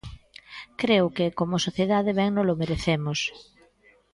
Creo que como sociedade ben nolo merecemos.